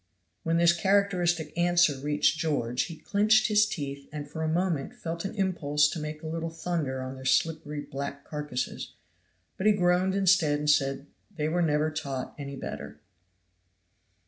When this characteristic answer reached George he clinched his teeth and for a moment felt an impulse to make a little thunder on their slippery black carcasses, but he groaned instead and said, "They were never taught any better."